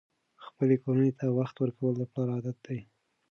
خپلې کورنۍ ته وخت ورکول د پلار عادت دی.